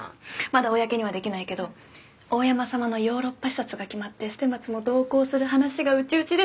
まだ公にはできないけど大山様のヨーロッパ視察が決まって捨松も同行する話が内々で進んでる。